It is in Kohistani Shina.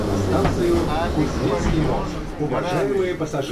آ لِک پڑیجَون گرانِن۔